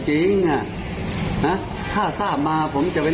ชนตรงไหนไม่ทราบก็มันไม่ทราบจริง